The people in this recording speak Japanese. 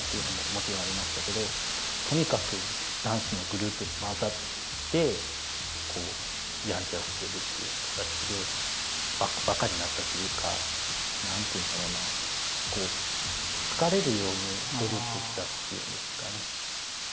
とにかく男子のグループに交ざってやんちゃしてるっていう形でバカになったっていうか何て言うんだろうな好かれるように努力したっていうんですかね。